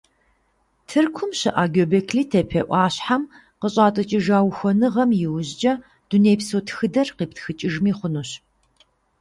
Тыркум щыӀэ Гёбекли-Тепе Ӏуащхьэм къыщӀатӀыкӀыжа ухуэныгъэм иужькӀэ дунейпсо тхыдэр къиптхыкӀыжми хъунущ.